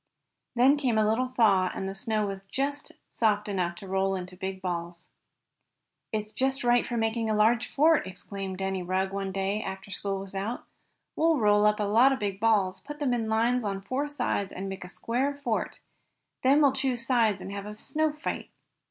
Then came a little thaw, and the snow was just soft enough to roll into big balls. "It's just right for making a large fort!" exclaimed Danny Rugg one day, after school was out. "We'll roll up a lot of big balls, put them in lines on four sides and make a square fort. Then, we'll choose sides and have a snow fight."